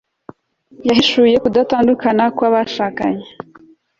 yahishuye ku gutandukana kw'abashakanye